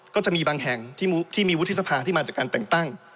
ก็จะมีบางแห่งที่มีวุฒิสภาที่มาจากการแต่งตั้ง